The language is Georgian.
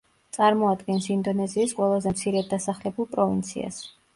წარმოადგენს ინდონეზიის ყველაზე მცირედ დასახლებულ პროვინციას.